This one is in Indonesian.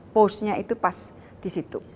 posnya itu pas disitu